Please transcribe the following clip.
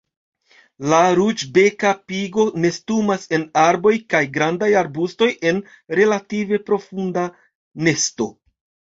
La Ruĝbeka pigo nestumas en arboj kaj grandaj arbustoj en relative profunda nesto.